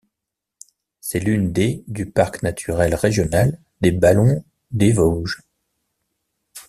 C'est l'une des du parc naturel régional des Ballons des Vosges.